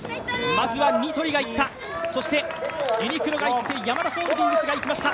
まずはニトリがいった、そしてユニークがいってヤマダホールディングスがいきました、